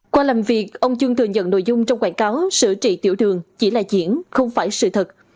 qua làm việc ông chương thừa nhận nội dung trong quảng cáo sửa trị tiểu đường chỉ là diễn không phải sự thật